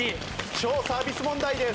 超サービス問題です。